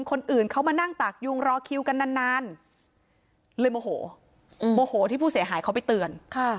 คนอื่นเขามานั่งตากยุงรอคิวกันนานเลยโมโหโมโหที่ผู้เสียหายเขาไปเตือน